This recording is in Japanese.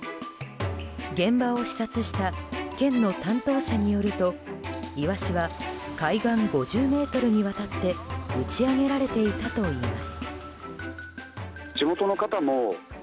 現場を視察した県の担当者によるとイワシは、海岸５０ｍにわたって打ち揚げられていたといいます。